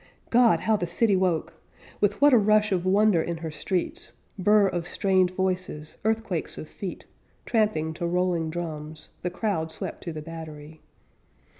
God! How the city woke! With what a rush of wonder in her streets, "Burr" of strained voices, earthquakes of feet, Tramping to rolling drums, The crowd swept to the Battery.